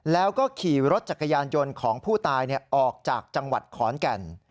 แล้วก็ขี่รถจักรยานยนต์ของผู้ตายออกจากจังหวัดขอนแก่น